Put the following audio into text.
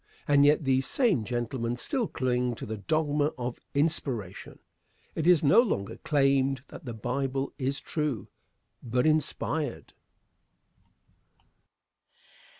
And yet these same gentlemen still cling to the dogma of inspiration! It is no longer claimed that the Bible is true but inspired.